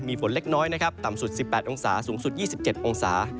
มีฝนเล็กน้อยนะครับต่ำสุด๑๘องศาสูงสุด๒๗องศา